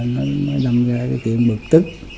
nó đâm ra cái kiện bực tức